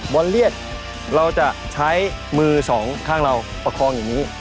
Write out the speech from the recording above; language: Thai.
อลเลียสเราจะใช้มือสองข้างเราประคองอย่างนี้